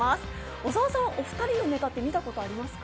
小澤さんはお２人のネタみたことありますか？